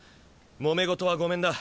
もめ事はごめんだ。